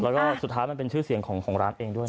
แล้วก็สุดท้ายมันเป็นชื่อเสียงของร้านเองด้วยนะ